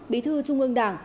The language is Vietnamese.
bí thư trung ương đảng